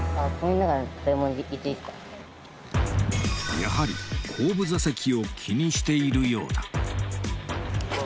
やはり後部座席を気にしているようだ